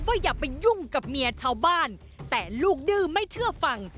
อย่าไปยุ่งกับเมียชาวบ้านแต่ลูกดื้อไม่เชื่อฟัง